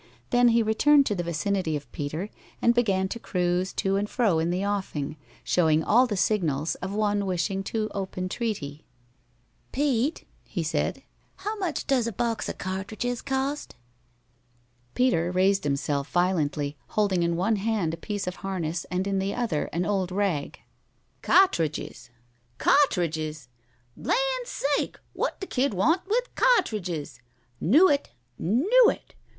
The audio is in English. Then he returned to the vicinity of Peter, and began to cruise to and fro in the offing, showing all the signals of one wishing to open treaty. "Pete," he said, "how much does a box of cartridges cost?" Peter raised himself violently, holding in one hand a piece of harness, and in the other an old rag. "Ca'tridgers! Ca'tridgers! Lan'sake! wut the kid want with ca'tridgers? Knew it! Knew it!